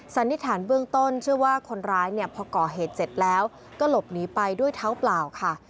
สันนิษฐานเบื้องต้นเชื่อว่าคนร้ายเนี่ยพอก่อเหตุเสร็จแล้วก็หลบหนีไปด้วยเท้าเปล่าค่ะ